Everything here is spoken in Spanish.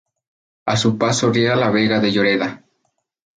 A su paso riega la vega de Lloreda.